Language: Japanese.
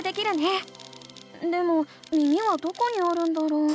でも耳はどこにあるんだろう？